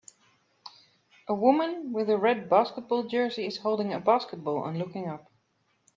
A woman with a red basketball jersey is holding a basketball and looking up.